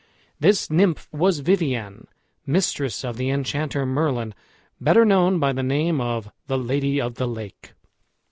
This nymph was Viviane, mistress of the enchanter Merlin, better known by the name of the Lady of the Lake.